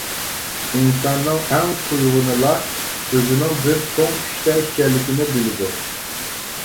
ئىنساننىڭ ئەڭ تۇيغۇنىلا ئۆزىنىڭ بىر چوڭ چۈشتە ئىكەنلىكىنى بىلىدۇ.